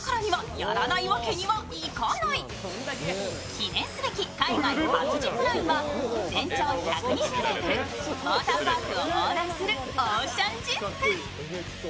記念すべき海外初ジップラインは全長１２０ｍウォーターパークを横断するオーシャンＺＩＰ。